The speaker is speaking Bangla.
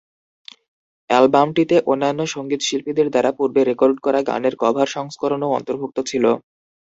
অ্যালবামটিতে অন্যান্য সঙ্গীত শিল্পীদের দ্বারা পূর্বে রেকর্ড করা গানের কভার সংস্করণও অন্তর্ভুক্ত ছিল।